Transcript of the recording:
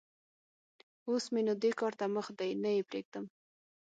اوس م ېنو دې کار ته مخ دی؛ نه يې پرېږدم.